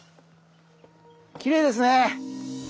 きれいですね。